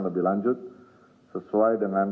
lebih lanjut sesuai dengan